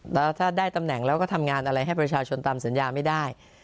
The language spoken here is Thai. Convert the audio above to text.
แล้วถ้าได้ตำแหน่งแล้วก็ทำงานอะไรให้ประชาชนตามสัญญาไม่ได้